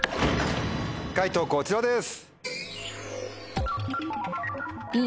解答こちらです。